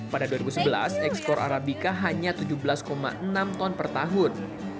pada dua ribu sebelas ekspor arabica hanya tujuh belas enam ton per tahun